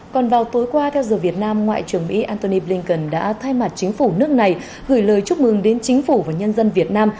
còn vào tối qua theo giờ việt nam ngoại trưởng mỹ antony blinken đã thay mặt chính phủ nước này gửi lời chúc mừng đến chính phủ và nhân dân việt nam